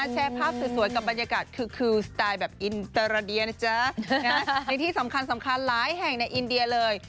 แชร์ภาพสวยกับบรรยากาศคือสไตล์แบบอินเตอร์ราเดียนะจ๊ะในที่สำคัญสำคัญหลายแห่งในอินเดียเลย